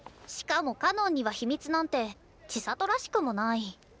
しかもかのんには秘密なんて千砂都らしくもない。